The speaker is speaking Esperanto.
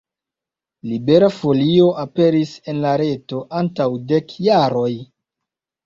Libera Folio aperis en la reto antaŭ dek jaroj.